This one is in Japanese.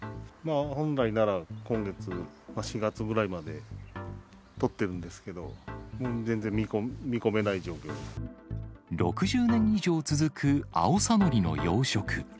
本来なら今月、４月ぐらいまで取ってるんですけど、全然見込めな６０年以上続くアオサノリの養殖。